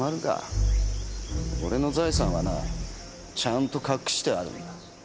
俺の財産はなちゃんと隠してあるんだ。